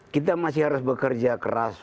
kita masih harus bekerja keras